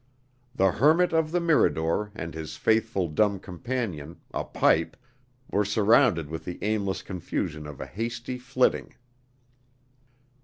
The hermit of the Mirador and his faithful dumb companion, a pipe, were surrounded with the aimless confusion of a hasty flitting.